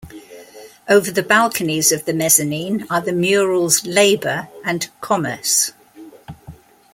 Over the balconies of the mezzanine are the murals "Labor" and "Commerce.